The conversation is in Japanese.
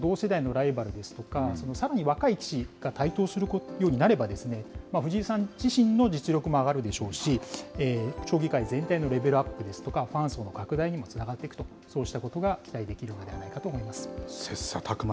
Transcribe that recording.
こうした同世代のライバルですとか、さらに若い棋士が台頭するようになれば、藤井さん自身の実力もあがるでしょうし、将棋界全体のレベルアップですとか、ファン層の拡大につながっていくと、そうしたことが期待できるのではないかと思います。